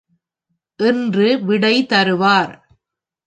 என்று விடை தருவார்.